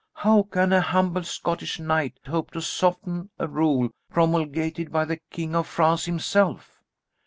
How can a humble Scottish knight hope to soften a rule promulgated by the King of France himself?"